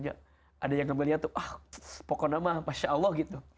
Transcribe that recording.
ada yang ngambil nyatanya pokoknya mah masya allah gitu